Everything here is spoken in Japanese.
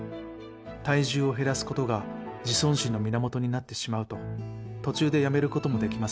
体重を減らす事が自尊心の源になってしまうと途中でやめる事もできません。